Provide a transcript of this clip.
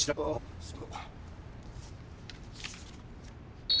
そう！